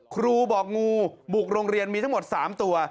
ครูบอกงูบุกโรงเรียนมีทั้งหมด๓ตัว